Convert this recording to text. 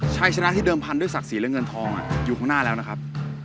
ชัยชนะที่เดิมพันธุศักดิ์ศรีและเงินทองอยู่ข้างหน้าแล้วนะครับ